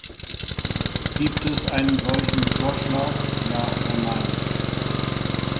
Gibt es einen solchen Vorschlag, ja oder nein?